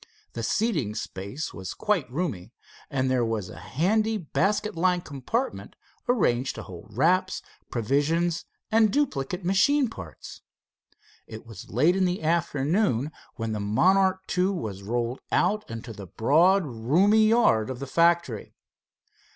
The seating space was quite roomy, and there was a handy basket like compartment, arranged to hold wraps, provisions and duplicate machine parts. It was late in the afternoon when the Monarch II was rolled out into the broad roomy yard of the factory.